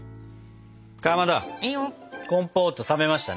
かまどコンポート冷めましたね。